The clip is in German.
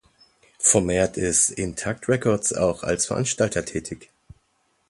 Vermehrt ist Intakt Records auch als Veranstalter tätig.